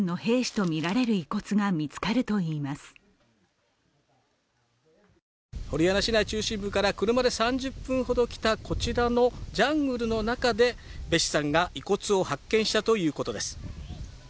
帆に嵐内中心部から３０分ほど来たこちらのジャングルの中でベシさんが遺骨を発見したということです。